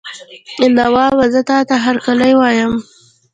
نوابه زه تاته هرکلی وایم.